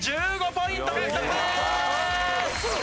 １５ポイント獲得です！